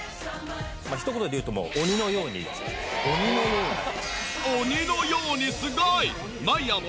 ひと言で言うともう鬼のようにすごい！